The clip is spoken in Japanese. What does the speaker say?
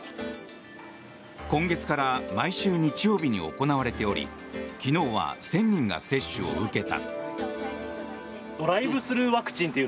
今月から毎週日曜日に行われており昨日は１０００人が接種を受けた。